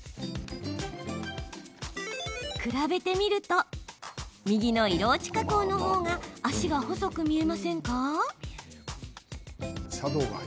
比べてみると右の色落ち加工があるほうが脚が細く見えませんか？